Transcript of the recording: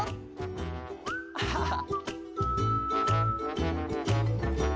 アハハ！